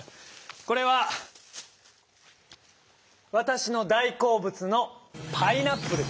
これはわたしの大こうぶつのパイナップルです。